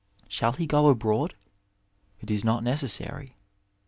Shall he go abroad ? It is not necessary.